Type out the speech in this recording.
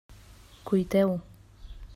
Cuiteu!